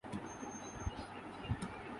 میں نے ایک آری دیکھی جو دیکھ نہ پایا۔